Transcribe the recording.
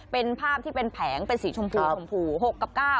เป็นภาพที่เป็นแผงเป็นสีชมพูชมพู๖กับ๙